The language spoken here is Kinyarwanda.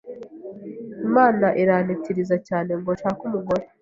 Imana irantitiriza cyane ngo nshake umugore